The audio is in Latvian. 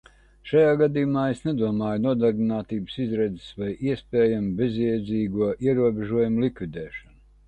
Šajā gadījumā es nedomāju nodarbinātības izredzes vai iespējamu bezjēdzīgo ierobežojumu likvidēšanu.